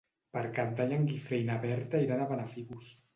Per Cap d'Any en Guifré i na Berta iran a Benafigos.